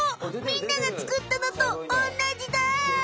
みんながつくったのとおんなじだ！